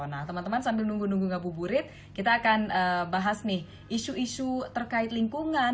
nah teman teman sambil nunggu nunggu ngabuburit kita akan bahas nih isu isu terkait lingkungan